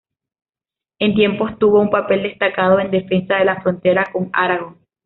En tiempos tuvo un papel destacado en defensa de la frontera con Aragón.